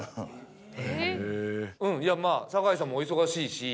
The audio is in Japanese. いやまぁ堺さんもお忙しいし。